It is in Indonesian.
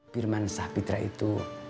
firman sahpitra itu